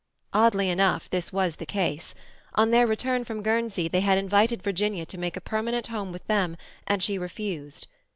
Oddly enough, this was the case. On their return from Guernsey they had invited Virginia to make a permanent home with them, and she refused.